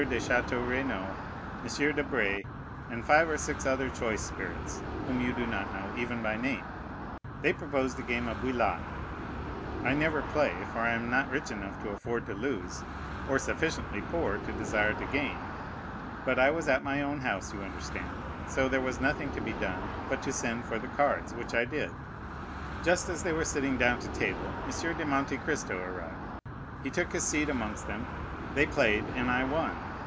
de Château Renaud, M. Debray, and five or six other choice spirits, whom you do not know, even by name. They proposed a game of bouillotte. I never play, for I am not rich enough to afford to lose, or sufficiently poor to desire to gain. But I was at my own house, you understand, so there was nothing to be done but to send for the cards, which I did. "Just as they were sitting down to table, M. de Monte Cristo arrived. He took his seat amongst them; they played, and I won.